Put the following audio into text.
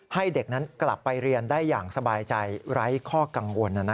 ให้เด็กนั้นกลับไปเรียนได้อย่างสบายใจไร้ข้อกังวล